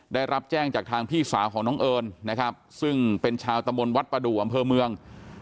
ได้รับแจ้งจากทางพี่สาวของน้องเอิญนะครับซึ่งเป็นชาวตะมนต์วัดประดูกอำเภอเมือง